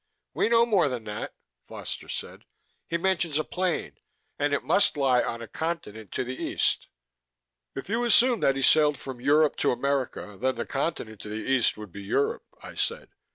"We know more than that," Foster said. "He mentions a plain; and it must lie on a continent to the east " "If you assume that he sailed from Europe to America, then the continent to the east would be Europe," I said.